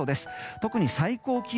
特に最高気温。